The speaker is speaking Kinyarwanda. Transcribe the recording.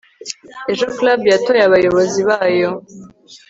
ejo club yatoye abayobozi bayo